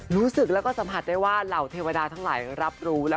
รู้สึกและสัมผัสได้ว่าเหล่าเทวดาทั้งหลาย